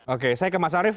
oke saya ke mas arief